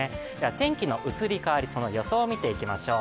天気の移り変わり、その予想を見ていきましょう。